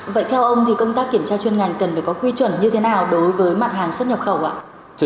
vậy theo ông thì công tác kiểm tra chuyên ngành cần phải có quy chuẩn như thế nào đối với mặt hàng xuất nhập khẩu ạ